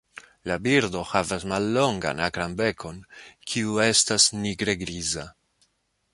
La birdo havas mallongan akran bekon, kiu estas nigre-griza.